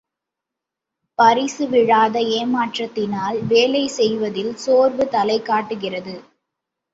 பரிசு விழாத ஏமாற்றத்தினால் வேலை செய்வதில் சோர்வு தலைகாட்டுகிறது!